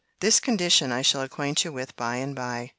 This condition I shall acquaint you with by and by.